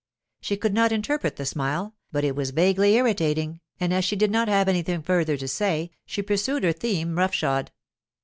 She could not interpret the smile, but it was vaguely irritating, and as he did not have anything further to say, she pursued her theme rough shod.